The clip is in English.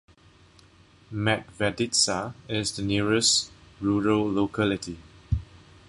Medveditsa is the nearest rural locality.